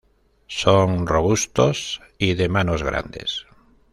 Son robustos y de manos '"grandes".